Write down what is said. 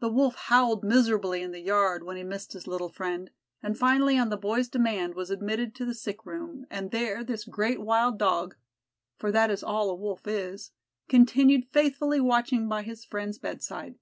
The Wolf howled miserably in the yard when he missed his little friend, and finally on the boy's demand was admitted to the sick room, and there this great wild Dog for that is all a Wolf is continued faithfully watching by his friend's bedside.